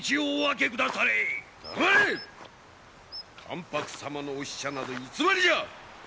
関白様のお使者など偽りじゃ！